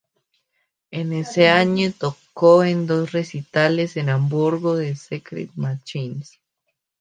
En ese mismo año tocó en dos recitales en Hamburgo de Secret Machines.